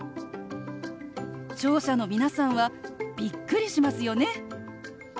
聴者の皆さんはびっくりしますよね！